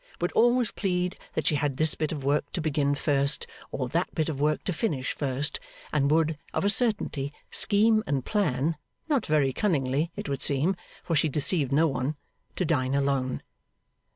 Would always plead that she had this bit of work to begin first, or that bit of work to finish first; and would, of a certainty, scheme and plan not very cunningly, it would seem, for she deceived no one to dine alone.